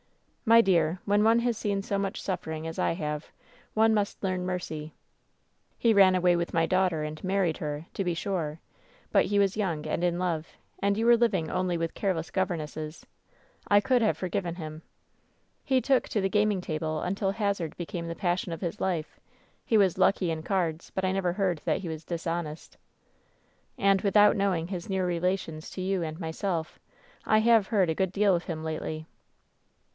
'^ 'My dear, when one has seen so much suffering as I have, one must learn mercy. He ran away with my daughter and married her, to be sure ; but he was young 808 WHEN SHADOWS DEE and in love, and you were living only with careless governesses. I could have forgiven him. He took to the gaming table imtil hazard became the passion of his life. He was lucky in cards, but I never heard that he was dishonest. And — ^without knowing his near rela tions to you and myself — I have heard a good deal of him lately.'